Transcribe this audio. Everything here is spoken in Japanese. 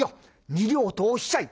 ２両とおっしゃい」。